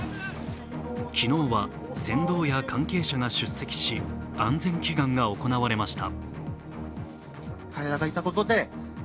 昨日は船頭や関係者が出席し安全祈願が行われました。